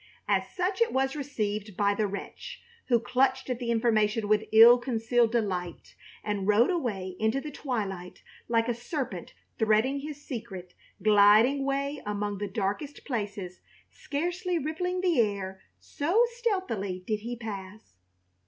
As such it was received by the wretch, who clutched at the information with ill concealed delight and rode away into the twilight like a serpent threading his secret, gliding way among the darkest places, scarcely rippling the air, so stealthily did he pass.